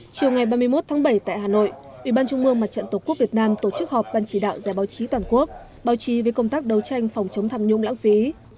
chiều ngày ba mươi một tháng bảy tại hà nội ủy ban trung mương mặt trận tổ quốc việt nam tổ chức họp văn chỉ đạo giải báo chí toàn quốc báo chí về công tác đấu tranh phòng chống tham nhũng lãng phí